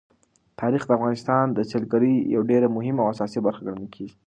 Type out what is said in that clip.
تاریخ د افغانستان د سیلګرۍ یوه ډېره مهمه او اساسي برخه ګڼل کېږي.